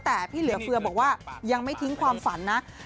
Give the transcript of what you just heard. แต่พี่เหลือเฟือบอกว่ายังไม่ทิ้งความฝันนะ